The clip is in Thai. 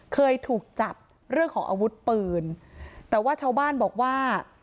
เคยถูกจับเรื่องของอาวุธปืนแต่ว่าชาวบ้านบอกว่า